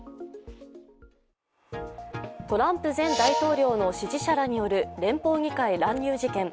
トランプ前大統領の支持者らによる連邦議会乱入事件。